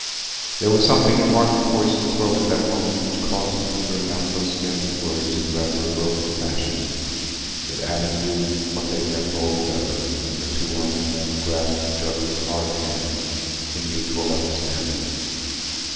There was something in Martin Poyser's throat at that moment which caused him to bring out those scanty words in rather a broken fashion. Yet Adam knew what they meant all the better, and the two honest men grasped each other's hard hands in mutual understanding.